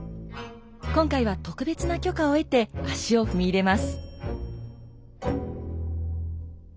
今回は特別な許可を得て足を踏み入れます。